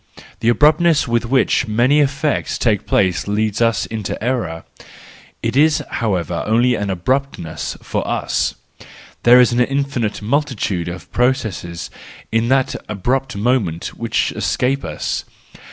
The abruptness with which many effects take place leads us into error; it is however only an abruptness for us. There is an infinite multitude of processes in that abrupt moment which escape us.